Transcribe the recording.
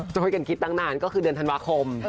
ช่วยกันคิดตั้งนานก็คือเดือนธันวาคม